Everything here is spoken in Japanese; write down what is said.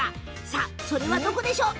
さあ、それはどこでしょう？